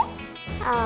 ああ。